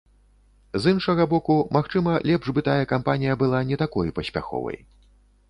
З іншага боку, магчыма, лепш бы тая кампанія была не такой паспяховай.